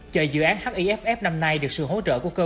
chợ dự án hiff năm nay được sự hỗ trợ của cơ quan điện ảnh